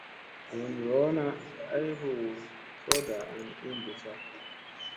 Voon yoona ay hu sooɗa an i bussa.